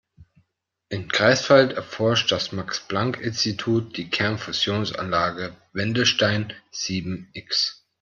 In Greifswald erforscht das Max-Planck-Institut die Kernfusionsanlage Wendelstein sieben-X.